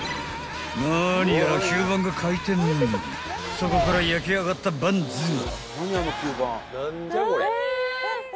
［そこから焼き上がったバンズが］